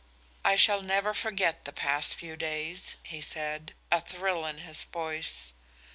"I shall never forget the past few days," he said, a thrill in his voice.